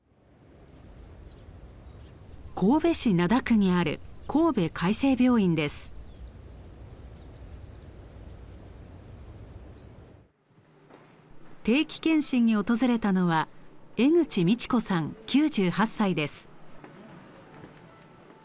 神戸市灘区にある定期検診に訪れたのは江口美智子さん９８歳です。